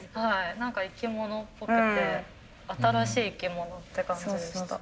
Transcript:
何か生き物っぽくて新しい生き物って感じでした。